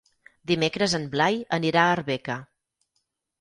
Dimecres en Blai anirà a Arbeca.